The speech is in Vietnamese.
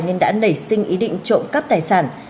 nên đã nảy sinh ý định trộm cắp tài sản